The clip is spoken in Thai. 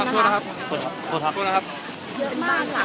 โทษนะครับโทษนะครับเยอะมากหล่ะ